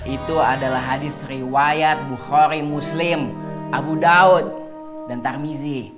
itu adalah hadis riwayat bukhori muslim abu daud dan tarmizi